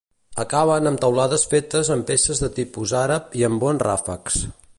Acaben amb teulades fetes amb peces de tipus àrab i amb bons ràfecs.